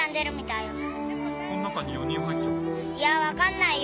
いやわかんないよ。